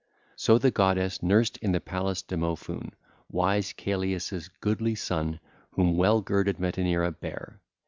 So the goddess nursed in the palace Demophoon, wise Celeus' goodly son whom well girded Metaneira bare.